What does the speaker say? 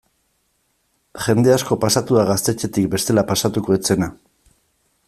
Jende asko pasatu da gaztetxetik bestela pasatuko ez zena.